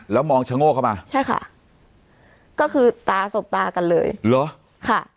แล้วมองชะโง่เข้ามาใช่ค่ะก็คือตาสบตากันเลยเหรอค่ะ